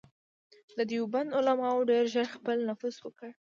د دیوبند علماوو ډېر ژر خپل نفوذ وکړ.